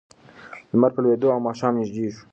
لمر په لوېدو و او ماښام نږدې شو.